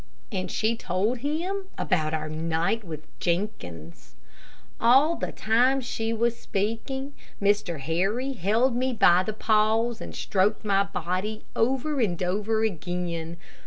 And she told him about our night with Jenkins. All the time she was speaking, Mr. Harry held me by the paws, and stroked my body over and over again.